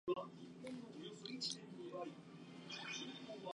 咲いた花は悪い匂いがした。